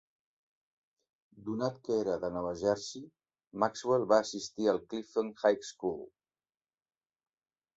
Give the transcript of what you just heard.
Donat que era de Nova Jersey, Maxwell va assistir al Clifton High School.